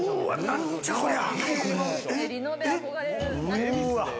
なんじゃこりゃ！